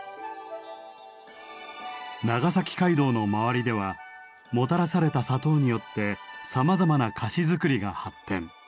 長崎街道の周りではもたらされた砂糖によってさまざまな菓子作りが発展。